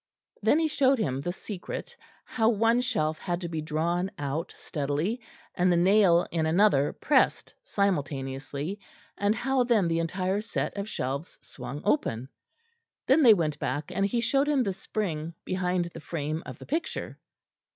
Then he showed him the secret, how one shelf had to be drawn out steadily, and the nail in another pressed simultaneously, and how then the entire set of shelves swung open. Then they went back and he showed him the spring behind the frame of the picture.